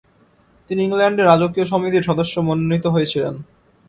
তিনি ইংলন্ডের রাজকীয় সমিতির সদস্য মনোনীত হয়েছিলেন।